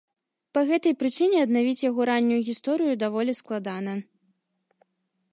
Па гэтай прычыне аднавіць яго раннюю гісторыю даволі складана.